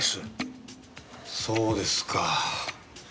そうですか。